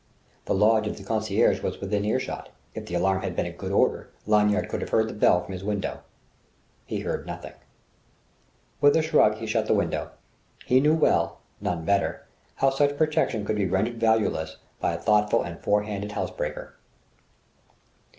The lodge of the concierge was within earshot. If the alarm had been in good order, Lanyard could have heard the bell from his window. He heard nothing. With a shrug, he shut the window. He knew well none better how such protection could be rendered valueless by a thoughtful and fore handed housebreaker.